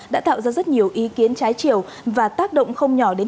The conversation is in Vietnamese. đã tạo ra rất nhiều ý kiến trái chiều và tác động không tốt